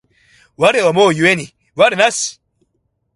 我思う故に我なし